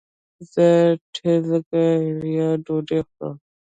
زه ټکله يا ډوډي خورم